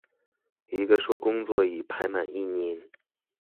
一個說工作已排滿一年